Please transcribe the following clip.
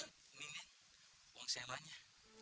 ini nen uang semanya